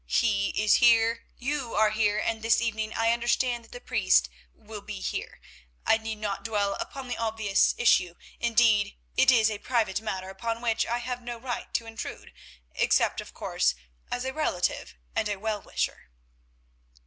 He is here, you are here, and this evening I understand that the priest will be here. I need not dwell upon the obvious issue; indeed, it is a private matter upon which I have no right to intrude, except, of course, as a relative and a well wisher."